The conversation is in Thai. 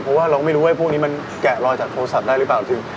เพราะว่าเราไม่รู้ว่าพวกนี้มันแกะรอยจากโทรศัพท์ได้หรือเปล่าจริง